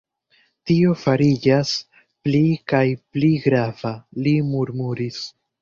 Tio fariĝas pli kaj pli grava, li murmuris.